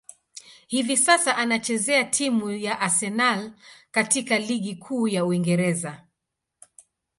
Hivi sasa, anachezea timu ya Arsenal katika ligi kuu ya Uingereza.